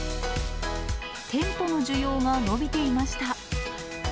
テントの需要が伸びていました。